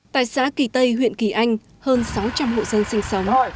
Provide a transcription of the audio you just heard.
tại xã kỳ tây huyện kỳ anh hơn sáu trăm linh hộ dân sinh sống